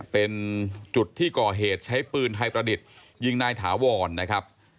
เป็นจุดที่ก่อเหตุใช้ปืนไทยประดิษฐ์ยิงนายถาวรนะครับ